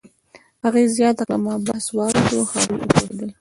هغې زیاته کړه: "ما بحث واورېد، هغوی پوهېدل